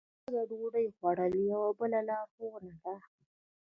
لږه ډوډۍ خوړل یوه بله لارښوونه ده.